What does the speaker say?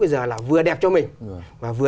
bây giờ là vừa đẹp cho mình và vừa